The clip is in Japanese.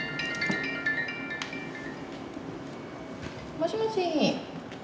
もしもし。